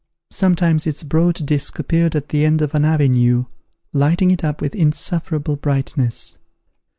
Sometimes its broad disk appeared at the end of an avenue, lighting it up with insufferable brightness.